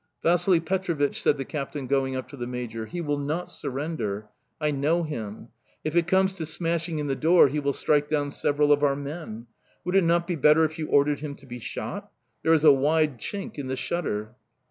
"Vasili Petrovich," said the captain, going up to the major; "he will not surrender. I know him! If it comes to smashing in the door he will strike down several of our men. Would it not be better if you ordered him to be shot? There is a wide chink in the shutter."